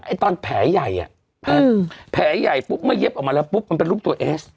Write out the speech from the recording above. ตอนแผลใหญ่อ่ะแผลใหญ่ปุ๊บเมื่อเย็บออกมาแล้วปุ๊บมันเป็นรูปตัวเอส